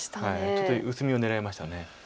ちょっと薄みを狙いました。